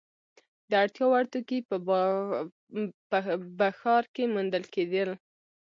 د اړتیا وړ توکي په ب ښار کې موندل کیدل.